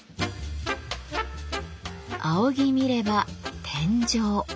仰ぎ見れば天井。